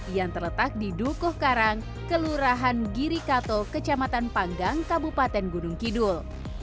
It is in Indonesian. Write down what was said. yang terletak di dukuh karang kelurahan girikato kecamatan panggang kabupaten gunung kidul